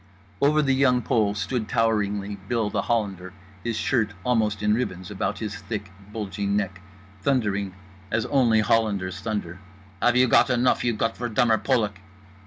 Over The Young Pole stood toweringly Bill The Hollander, his shirt almost in ribbons about his thick bulging neck, thundering as only Hollanders thunder: "Have you got enough you Gottverdummer Polak?"